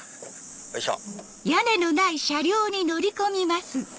よいしょ。